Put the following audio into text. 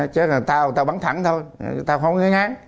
chứ tao tao bắn thẳng thôi tao không nghe ngán